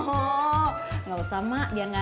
oh gak usah mak biar gak repot